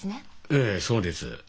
ええそうです。